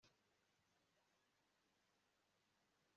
umuntu wiyeguriye idini amenya ukuri